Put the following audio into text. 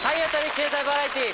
経済バラエティー。